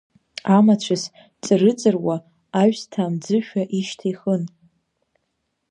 Амацәыс ҵырыҵыруа аҩсҭаа мӡышәа ишьҭа ихын.